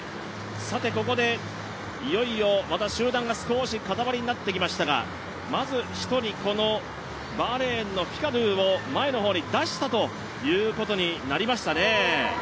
ここでいよいよまた集団がまた固まりになってきましたがまず１人、バーレーンのフィカドゥを前の方に出したということになりますね。